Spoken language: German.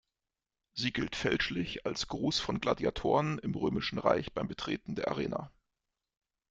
Sie gilt fälschlich als Gruß von Gladiatoren im Römischen Reich beim Betreten der Arena.